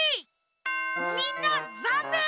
みんなざんねん！